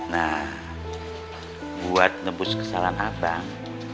nah buat nebus kesalahan abang